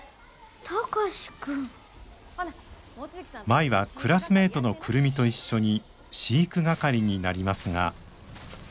舞はクラスメートの久留美と一緒に飼育係になりますが。